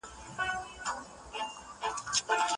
ښکلې ته ښکلی دي خیال دی